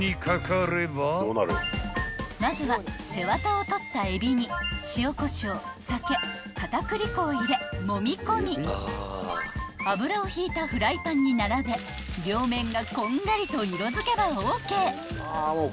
［まずは背わたを取ったエビに塩こしょう酒片栗粉を入れもみ込み油を引いたフライパンに並べ両面がこんがりと色づけばＯＫ］